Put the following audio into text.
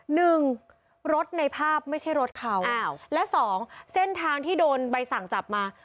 หนึ่งรถในภาพไม่ใช่รถเขาอ้าวและสองเส้นทางที่โดนใบสั่งจับมา